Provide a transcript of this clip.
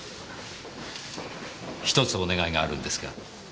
１つお願いがあるんですが。